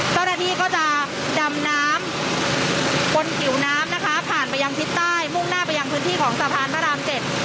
เจ้าหน้าที่ก็จะดำน้ำบนผิวน้ำนะคะผ่านไปยังทิศใต้มุ่งหน้าไปยังพื้นที่ของสะพานพระรามเจ็ด